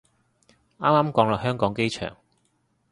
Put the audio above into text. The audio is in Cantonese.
啱啱降落香港機場